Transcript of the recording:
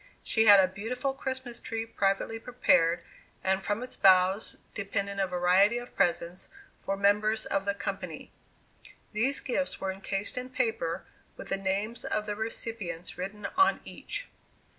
She had a beautiful Christmas tree privately prepared, and from its boughs depended a variety of presents for members of the company. These gifts were encased in paper, with the names of the recipients written on each.